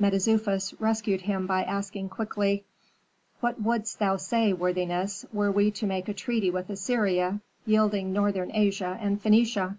Mentezufis rescued him by asking quickly, "What wouldst thou say, worthiness, were we to make a treaty with Assyria, yielding northern Asia and Phœnicia?"